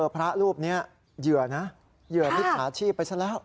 พระรูปนี้เหยื่อนะเหยื่อมิจฉาชีพไปซะแล้ว